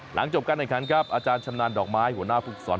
หลังจบกันอีกครั้งครับอาจารย์ชำนาญดอกไม้หัวหน้าภูกษ์สอน